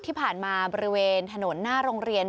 ที่ผ่านมาบริเวณถนนหน้าโรงเรียน